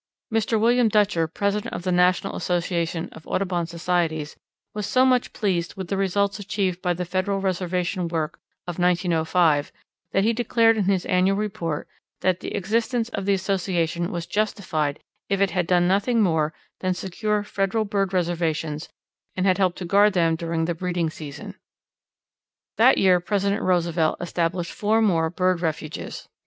Mr. William Dutcher, President of the National Association of Audubon Societies, was so much pleased with the results achieved by the Federal reservation work of 1905, that he declared in his annual report that the existence of the Association was justified if it had done nothing more than secure Federal bird reservations and had helped to guard them during the breeding season. That year President Roosevelt established four more bird refuges.